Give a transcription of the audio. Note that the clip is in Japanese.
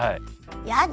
やだ